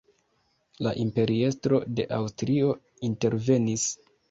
La imperiestro de Aŭstrio intervenis.